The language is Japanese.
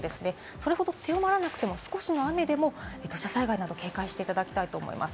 それほど強まらなくても、少しの雨でも土砂災害など警戒していただきたいと思います。